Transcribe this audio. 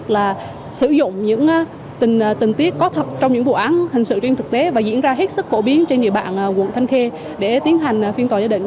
là sử dụng những tình tiết có thật trong những vụ án hình sự trên thực tế và diễn ra hết sức phổ biến trên địa bàn quận thanh khê để tiến hành phiên tòa gia định